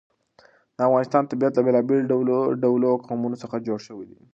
د افغانستان طبیعت له بېلابېلو ډولو قومونه څخه جوړ شوی دی.